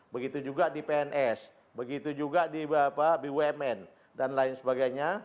begitu juga di pns begitu juga di bumn dan lain sebagainya